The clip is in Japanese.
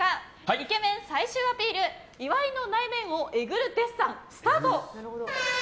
イケメン最終アピール岩井の内面をえぐるデッサンスタート！